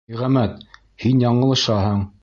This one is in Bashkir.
Ниғәмәт, һин яңылышаһың!